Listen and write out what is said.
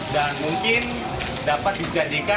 dan mungkin dapat dijadikan